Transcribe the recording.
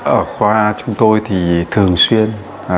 ở khoa chúng tôi thì thường xuyên